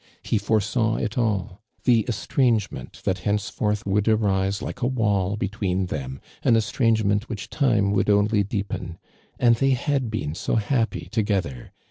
lie foresaw it all — the estrangement that hencefortii would arise like a wall between them, an estrangement which time would only deepen. And they had been so happy together